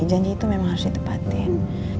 janji itu memang harus ditepatin